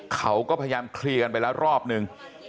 เขาก็พยายามเคลียร์กันไปแล้วรอบนึง